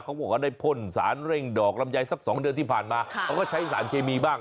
เขาบอกว่าได้พ่นสารเร่งดอกลำไยสักสองเดือนที่ผ่านมาเขาก็ใช้สารเคมีบ้าง